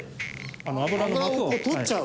油をこう取っちゃう？